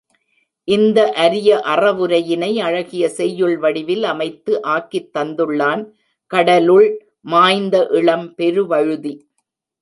இந்த அரிய அறவுரையினை, அழகிய செய்யுள் வடிவில் அமைத்து ஆக்கித் தந்துள்ளான், கடலுள் மாய்ந்த இளம்பெருவழுதி.